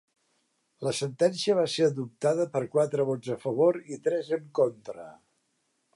La sentència va ser adoptada per quatre vots a favor i tres en contra.